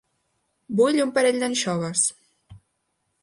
Vull un parell d'anxoves.